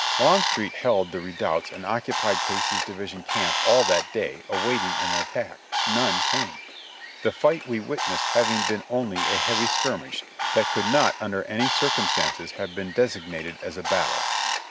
Longstreet held the redoubts and occupied Casey's division camp all that day, awaiting an attack ; none came ; the fight we witnessed having been only a heavy skirmish that could not un der any circumstances have been designated as a battle.